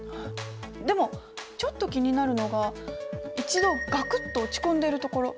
でもちょっと気になるのが一度ガクッと落ち込んでるところ。